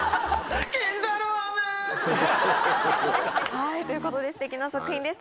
はいということですてきな作品でした。